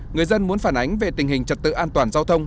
người dân muốn phản ánh về tình hình trật tự an toàn giao thông